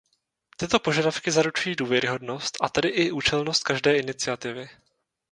Tyto požadavky zaručují důvěryhodnost, a tedy i účelnost každé iniciativy.